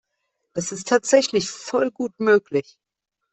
Das ist tatsächlich voll gut möglich.